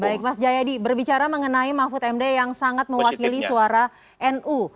baik mas jayadi berbicara mengenai mahfud md yang sangat mewakili suara nu